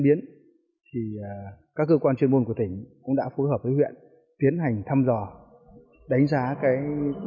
biến thì các cơ quan chuyên môn của tỉnh cũng đã phối hợp với huyện tiến hành thăm dò đánh giá cái